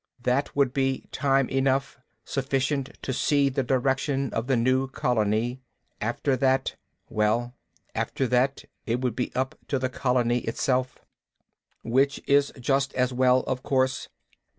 That would be time enough, sufficient to see the direction of the new colony. After that Well, after that it would be up to the colony itself. "Which is just as well, of course.